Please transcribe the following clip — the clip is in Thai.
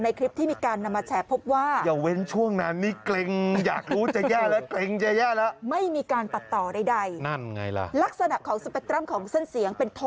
เอาคลิปมาตรวจสอบเหรอไปยังไง